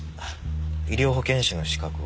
医療保険士の資格を。